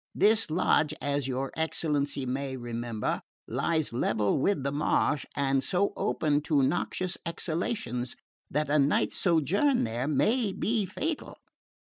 This lodge, as your excellency may remember, lies level with the marsh, and so open to noxious exhalations that a night's sojourn there may be fatal.